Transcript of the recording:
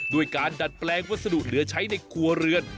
ด้วยการดัดแปลงวัสดุเหลือใช้ในครัวเรือน